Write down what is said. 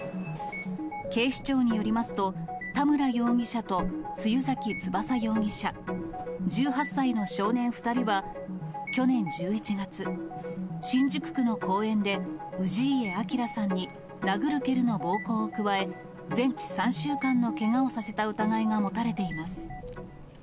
警視庁によりますと、田村容疑者と露崎翼容疑者、１８歳の少年２人は去年１１月、新宿区の公園で、氏家彰さんに殴る蹴るの暴行を加え、全治３週間のけがをさせた疑いが持たれています。